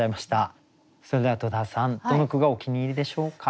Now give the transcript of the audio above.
それでは戸田さんどの句がお気に入りでしょうか？